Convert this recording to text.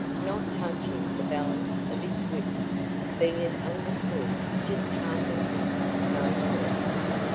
Not touching the balance of his wits, be it understood; just heartening him no more.